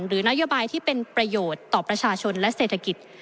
หรือนโยบายที่เป็นประโยชน์ต่อประชาชนและเศรษฐกิจ